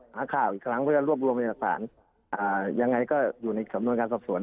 หาข่าวอีกครั้งเพื่อจะรวบรวมพยากฐานอ่ายังไงก็อยู่ในสำนวนการสอบสวน